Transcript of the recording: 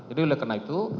jadi oleh karena itu